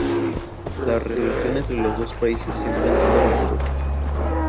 Las relaciones entre los dos países siempre han sido amistosas.